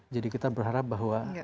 jadi kita berharap bahwa